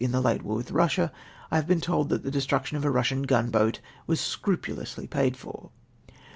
the late war with Eussia I have been told that the destruction of a liussian gunljoat Avas scrupulously paid for.